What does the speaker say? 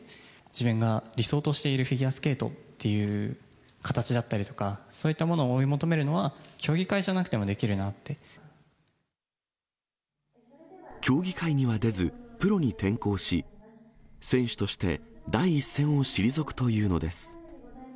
自分が理想としているフィギュアスケートっていう形だったりとか、そういったものを追い求めるのは、競技会には出ず、プロに転向し、選手として第一線を退くというのです。